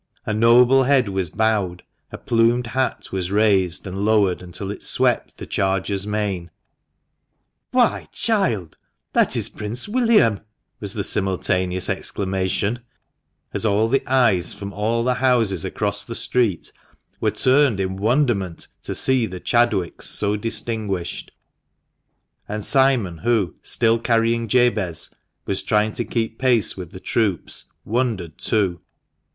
A noble head was bowed, a plumed hat was raised, and lowered until it swept the charger's mane, " Why, child, that is Prince William !" was the simultaneous exclamation, as all the eyes from all the houses across the street were turned in wonderment to see the Chadwicks so distinguished ; and Simon, who, still carrying Jabez, was trying to keep pace with the troops, wondered too.